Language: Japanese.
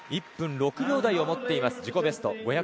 １分６秒台を持っています自己ベスト。